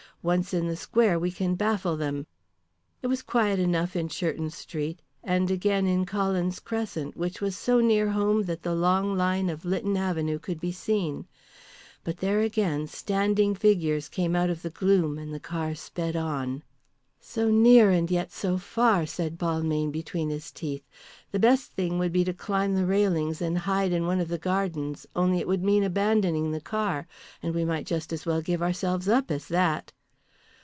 Once in the square we can baffle them." It was quiet enough in Churton Street. And again in Collin's Crescent, which was so near home that the long line of Lytton Avenue could be seen. But there again standing figures came out of the gloom and the car sped on. "So near and yet so far," said Balmayne between his teeth. "The best thing would be to climb the railings and hide in one of the gardens, only it would mean abandoning the car. And we might just as well give ourselves up as that."